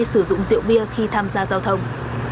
sử dụng rượu bia khi tham gia giao thông